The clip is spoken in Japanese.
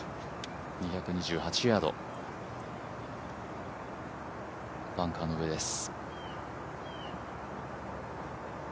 ２２８ヤード、バンカーの上です。